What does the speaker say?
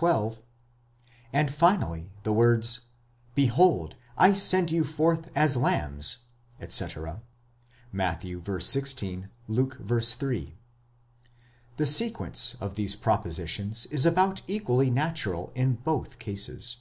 12); and finally, the words, Behold, I send you forth as lambs, etc. (Matt. v. 16; Luke v. 3). The sequence of these propositions is about equally natural in both cases.